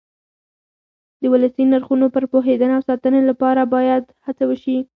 د ولسي نرخونو پر پوهېدنه او ساتنې لپاره باید هڅې وشي.